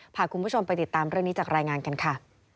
พาคุณผู้ชมไปติดตามเรื่องนี้จากรายงานกันค่ะ